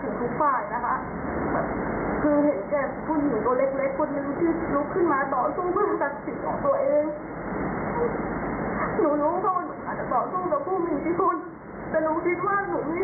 หนูหนูโทษหนูอาจจะบอกว่ากับผู้มีงที่คุณ